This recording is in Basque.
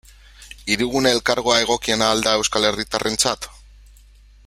Hirigune Elkargoa egokiena al da euskal herritarrentzat?